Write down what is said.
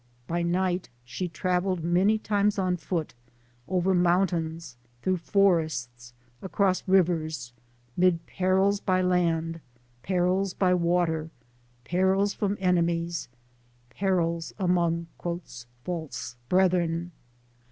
By night she traveled, many times on foot, over moun tains, through forests, across rivers, mid perils by land, perils by water, perils from enemies, " perils among false brethren."